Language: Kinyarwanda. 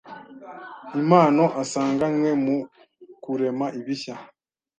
impano asanganywe mu kurema ibishya